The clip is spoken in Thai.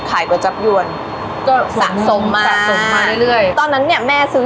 มีขอเสนออยากให้แม่หน่อยอ่อนสิทธิ์การเลี้ยงดู